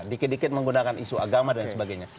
dikit dikit menggunakan isu agama dan sebagainya